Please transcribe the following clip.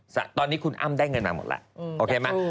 สัตว์ตอนนี้คุณอ้ำได้เงินเราหมดแล้วโอเคมั้ย